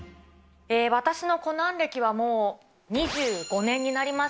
私のコナン歴はもう２５年になります。